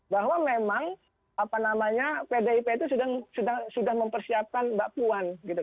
bahwa memang pdip itu sudah mempersiapkan mbak puan